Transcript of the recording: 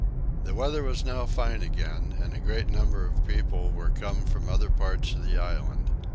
The weather was now fine again and a great number of people were come from other parts of the island.